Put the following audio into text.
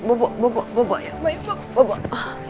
bubuk bubuk bubuk